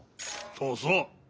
そうそう。